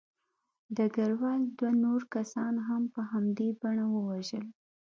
ډګروال دوه نور کسان هم په همدې بڼه ووژل